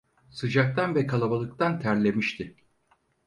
Sıcaktan ve kalabalıktan terlemişti.